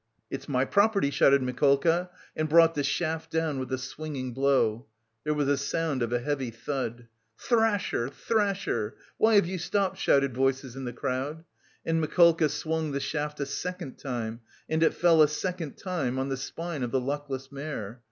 "It's my property," shouted Mikolka and brought the shaft down with a swinging blow. There was a sound of a heavy thud. "Thrash her, thrash her! Why have you stopped?" shouted voices in the crowd. And Mikolka swung the shaft a second time and it fell a second time on the spine of the luckless mare.